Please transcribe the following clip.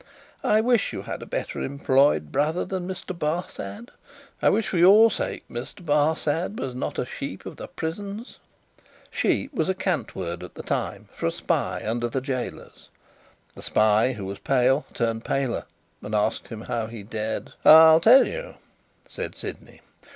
I wish you had a better employed brother than Mr. Barsad. I wish for your sake Mr. Barsad was not a Sheep of the Prisons." Sheep was a cant word of the time for a spy, under the gaolers. The spy, who was pale, turned paler, and asked him how he dared "I'll tell you," said Sydney.